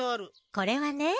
これはね